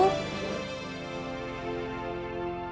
sari kata dari sdi media